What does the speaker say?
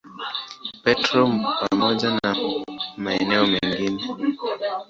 Petro pamoja na maeneo mengine.